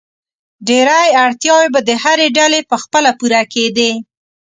ډېری اړتیاوې به د هرې ډلې په خپله پوره کېدې.